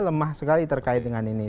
lemah sekali terkait dengan ini